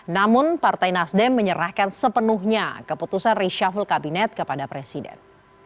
namun partai nasdem menyerahkan sepenuhnya keputusan reshuffle kabinet kepada presiden